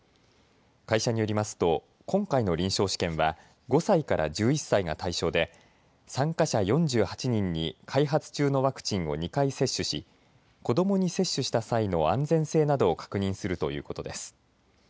会社によりますと今回の臨床試験は５歳から１１歳が対象で参加者４８人に開発中のワクチンを２回接種し子どもに接種した際の安全性などを確認するということです。